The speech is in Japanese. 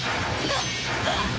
あっ！